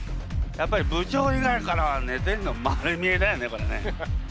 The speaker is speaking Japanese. やっぱり部長以外からは寝てるの丸見えだよねこれね。